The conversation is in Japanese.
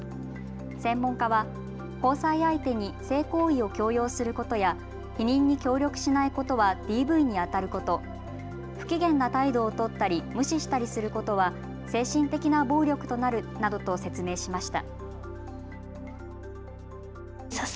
専門家は交際相手に性行為を強要することや避妊に協力しないことはＤＶにあたること、不機嫌な態度を取ったり無視したりすることは精神的な暴力となるなどと説明しました。